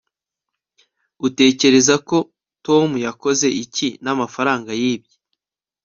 utekereza ko tom yakoze iki n'amafaranga yibye